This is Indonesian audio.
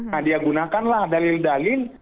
nah dia gunakanlah dalil dalil